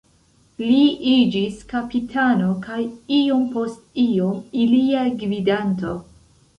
Li iĝis kapitano kaj iom post iom ilia gvidanto.